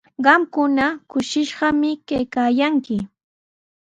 Qamkuna kushishqami kaykaayanki.